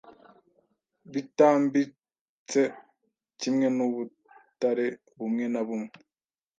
bitambitsekimwe nubutare bumwe na bumwe